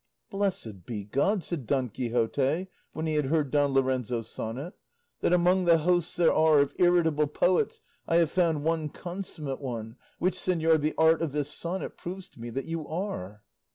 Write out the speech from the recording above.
"Blessed be God," said Don Quixote when he had heard Don Lorenzo's sonnet, "that among the hosts there are of irritable poets I have found one consummate one, which, señor, the art of this sonnet proves to me that you are!"